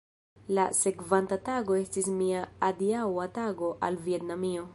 La sekvanta tago estis mia adiaŭa tago al Vjetnamio.